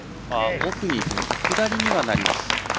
奥、下りにはなります。